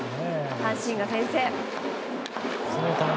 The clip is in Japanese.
阪神が先制。